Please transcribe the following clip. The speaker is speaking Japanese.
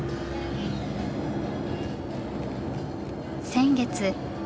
先月。